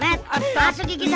mat masuk gigi satu